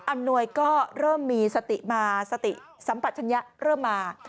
อำนวยก็เริ่มมีสติมาสติสัมปัชญะเริ่มมา